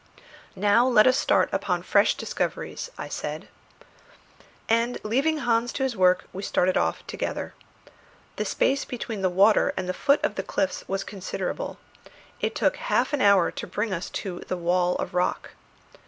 "Now let us start upon fresh discoveries," I said. And leaving Hans to his work we started off together. The space between the water and the foot of the cliffs was considerable. It took half an hour to bring us to the wall of rock.